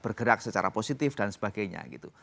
bergerak secara positif dan sebagainya gitu